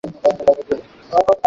বোকাদের ভোলাবার জন্যে?